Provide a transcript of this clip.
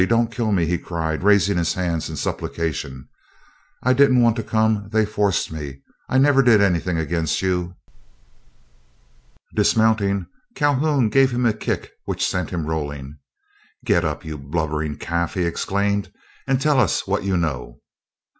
Don't kill me!" he cried, raising his hands in supplication. "I didn't want to come; they forced me. I never did anything against you." Dismounting Calhoun gave him a kick which sent him rolling. "Get up, you blubbering calf," he exclaimed, "and tell us what you know."